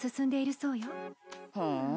ふん。